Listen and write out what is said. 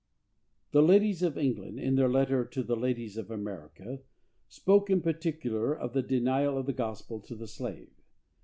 The ladies of England, in their letter to the ladies of America, spoke in particular of the denial of the gospel to the slave.